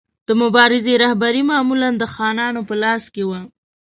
د مبارزې رهبري معمولا د خانانو په لاس کې وه.